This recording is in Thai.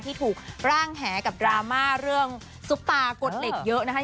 ที่ถูกร่างแหกับดราม่าเรื่องซุปตากฎเหล็กเยอะนะคะ